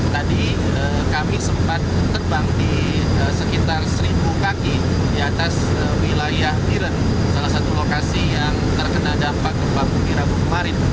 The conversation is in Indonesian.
tadi kami sempat terbang di sekitar seribu kaki di atas wilayah iren salah satu lokasi yang terkena dampak gempa bumi rabu kemarin